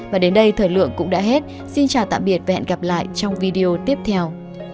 và đến đây thời lượng cũng đã hết xin chào tạm biệt và hẹn gặp lại trong video tiếp theo